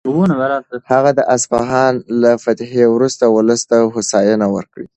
هغه د اصفهان له فتحې وروسته ولس ته هوساینه ورکړه.